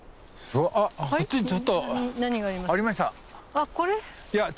あっこれ？